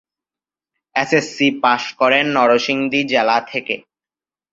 SSC pass করেন নরসিংদী জেলা থেকে।